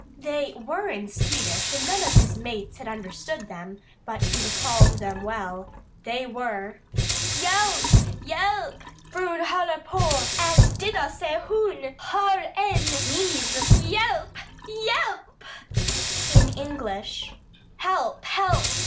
They were in Swedish and none of his mates had understood them, but he recalled them well. They were: "Hjelp! Hjelp! Frun håller på alb döda sig. Hon har en knif. Hjelp! Hjelp!" In English: "Help! Help!